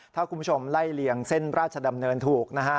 ถ้าคุณผู้ชมไล่เลียงเส้นราชดำเนินถูกนะฮะ